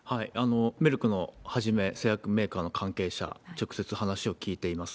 メルクをはじめ、製薬メーカーの関係者、直接話を聞いています。